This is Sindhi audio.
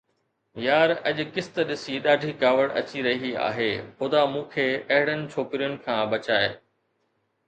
يار اڄ قسط ڏسي ڏاڍي ڪاوڙ اچي رهي آهي، خدا مون کي اهڙن ڇوڪرين کان بچائي